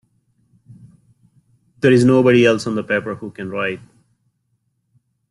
There's nobody else on the paper who can write!